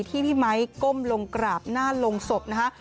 ที่พี่ไมค์ก้มลงกราบหน้าลงศพนะคะ